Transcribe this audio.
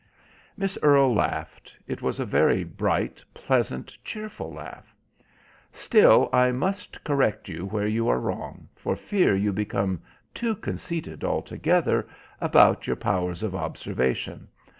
Miss Earle laughed. It was a very bright, pleasant, cheerful laugh. "Still, I must correct you where you are wrong, for fear you become too conceited altogether about your powers of observation.